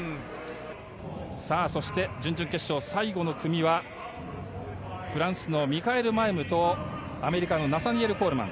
そして準々決勝、最後の組はフランスのミカエル・マウェムとアメリカのナサニエル・コールマン。